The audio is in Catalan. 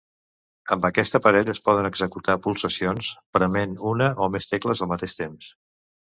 Amb aquest aparell es poden executar pulsacions prement una o més tecles al mateix temps.